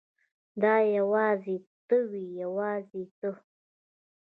دا یوازې ته وې یوازې ته.